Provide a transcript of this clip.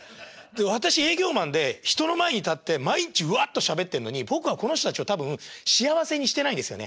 私営業マンで人の前に立って毎日うわっとしゃべってんのに僕はこの人たちを多分幸せにしてないんですよね。